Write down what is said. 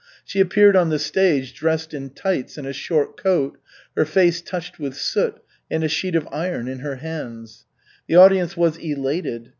She appeared on the stage dressed in tights and a short coat, her face touched with soot, and a sheet of iron in her hands. The audience was elated.